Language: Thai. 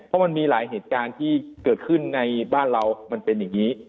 เพราะมันมีหลายเหตุการณ์ที่เกิดขึ้นในบ้านเรามันเป็นอย่างนี้